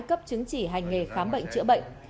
cấp chứng chỉ hành nghề khám bệnh chữa bệnh